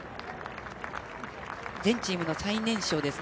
全チームの最年少ですね。